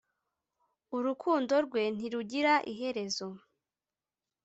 urukundo rwe ntirugira iherezo,